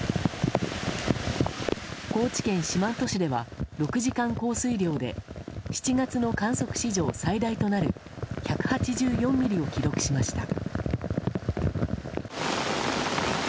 高知県四万十市では６時間降水量で７月の観測史上最大となる１８４ミリを記録しました。